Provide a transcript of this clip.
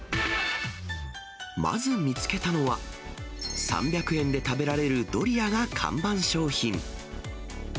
まず見つけたのは、３００円で食べられるドリアが看板商品。